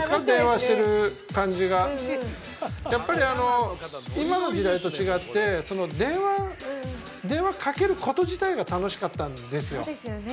電話してる感じがやっぱり今の時代と違って電話電話かけること自体が楽しかったんですよ